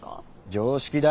常識だ。